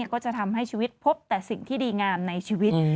ก็จะทำให้ชีวิตพบแต่สิ่งที่ดีงามในชีวิต